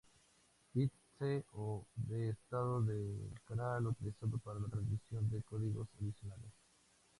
Bit C o de estado del canal, utilizado para la transmisión de códigos adicionales.